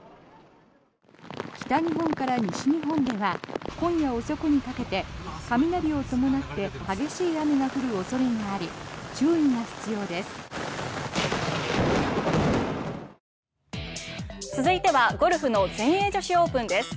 北日本から西日本では今夜遅くにかけて雷を伴って激しい雨が降る恐れがあり注意が必要です。